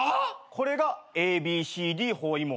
これがＡＢＣＤ包囲網。